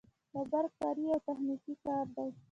د برق کاري یو تخنیکي کار دی